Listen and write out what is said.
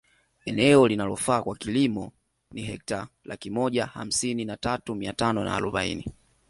Eneo linalofaa kwa kilimo ni hekta laki moja hamsini na tatu mia tano arobaini